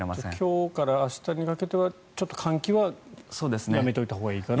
今日から明日にかけてはちょっと換気はやめておいたほうがいいかなと。